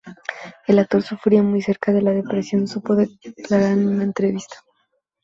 El actor sufría muy de cerca la depresión, supo declarar en una entrevista